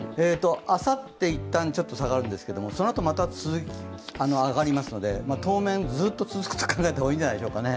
あさっていったんちょっと下がるんですけど、そのあとまた上がりますので、当面、ずっと続くと考えた方がいいですね。